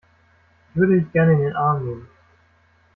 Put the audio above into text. Ich würde dich gerne in den Arm nehmen.